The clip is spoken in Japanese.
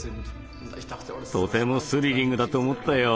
とてもスリリングだと思ったよ！